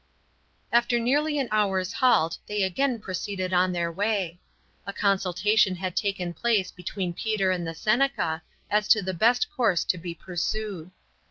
After nearly an hour's halt they again proceeded on their way. A consultation had taken place between Peter and the Seneca as to the best course to be pursued.